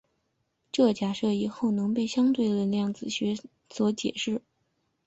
这假设以后能被相对论性量子力学所解释。